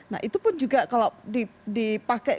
nah itu pun juga kalau dipakai